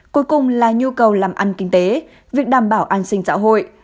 cuối cùng là nhu cầu làm ăn kinh tế việc đảm bảo an sinh xã hội